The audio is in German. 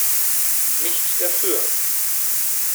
Nicht dafür!